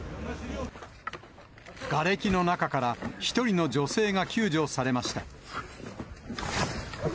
がれきの中から１人の女性が救助されました。